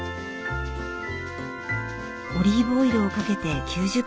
オリーブオイルをかけて９０分。